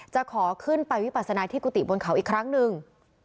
จะขอขึ้นไปวิปัสนาที่กุฏิบนเขาอีกครั้งหนึ่ง